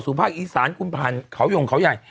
ภาคอีสานคุณผ่านเขายงเขาใหญ่